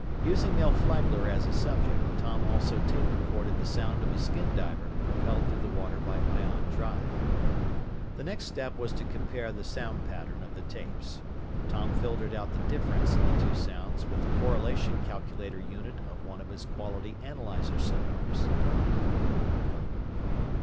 Using Mel Flagler as a subject, Tom also tape recorded the sound of a skin diver propelled through the water by ion drive. The next step was to compare the sound pattern of the tapes. Tom filtered out the difference in the two sounds with the correlation calculator unit of one of his quality analyzer sonars.